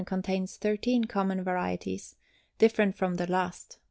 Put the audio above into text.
Contains 13 common varieties, different from the last.